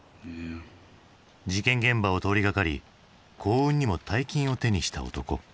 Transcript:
事件現場を通りがかり幸運にも大金を手にした男。